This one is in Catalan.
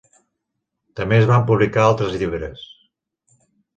També es van publicar altres llibres.